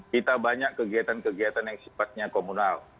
kita banyak kegiatan kegiatan yang sifatnya komunal